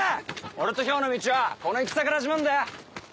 俺と漂の道はこの戦から始まんだよ！